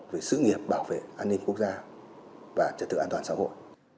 về sự nghiệp bảo vệ an ninh quốc gia và trật tự an toàn xã hội